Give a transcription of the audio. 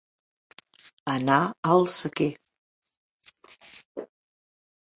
Anar al sequer.